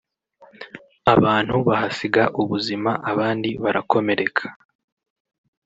abantu bahasiga ubuzima abandi barakomereka